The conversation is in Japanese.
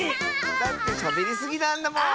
だってしゃべりすぎなんだもん！